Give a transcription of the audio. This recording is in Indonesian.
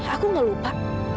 aku gak lupa